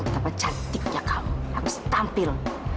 betapa cantiknya kamu harus tampil